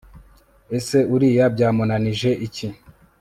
ese uriya byamunanije iki